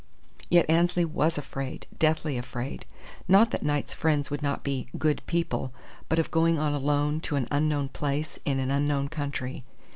Yet Annesley was afraid, deathly afraid. Not that Knight's friends would not be "good people," but of going on alone to an unknown place in an unknown country.